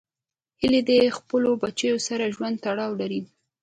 هیلۍ د خپلو بچو سره ژور تړاو لري